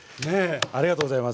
ありがとうございます。